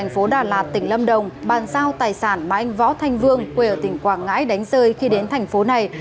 công an phường một tp đà lạt tỉnh lâm đồng bàn giao tài sản mà anh võ thanh vương quê ở tỉnh quảng ngãi đánh rơi khi đến thành phố này